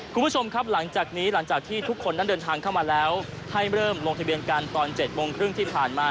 คุณผู้ชมครับหลังจากนี้หลังจากที่ทุกคนนั้นเดินทางเข้ามาแล้วให้เริ่มลงทะเบียนกันตอน๗โมงครึ่งที่ผ่านมา